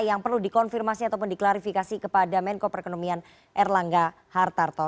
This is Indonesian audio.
yang perlu dikonfirmasi ataupun diklarifikasi kepada menko perekonomian erlangga hartarto